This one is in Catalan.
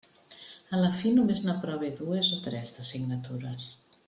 A la fi només n'aprove dues o tres, d'assignatures.